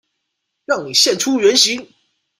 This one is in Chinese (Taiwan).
讓你現出原形！